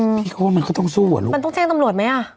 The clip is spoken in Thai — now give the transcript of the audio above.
อืมพี่มศมันก็ต้องสู้วะลูกมันต้องแช่งตำรวจมั้ยอ่ะ